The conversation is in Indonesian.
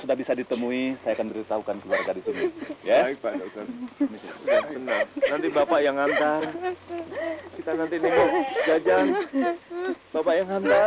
bapak yang hantar ya